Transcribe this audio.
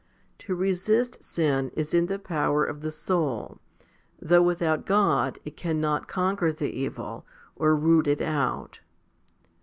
To resist sin is in the power of the soul, though without God it cannot conquer the evil or root it out.